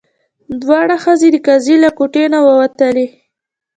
دواړه ښځې د قاضي له کوټې نه ووتلې.